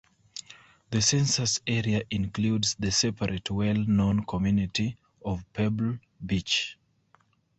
The census area includes the separate well-known community of Pebble Beach.